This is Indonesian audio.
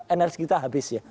energi kita habis ya